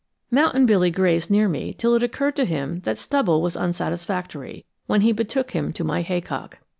Mountain Billy grazed near me till it occurred to him that stubble was unsatisfactory, when he betook him to my haycock.